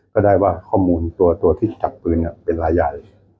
ก็ได้ว่าข้อมูลตัวที่จับปืนเป็นรายใหญ่